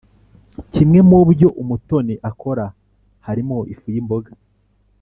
Kimwe mubyo Umutoni akora harimo ifu y’imboga.